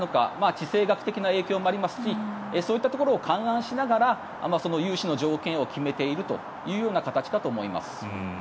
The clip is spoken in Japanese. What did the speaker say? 地政学的な影響もありますしそういったところを勘案しながら融資の条件を決めているという形かと思います。